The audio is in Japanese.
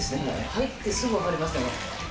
入ってすぐ分かりましたね。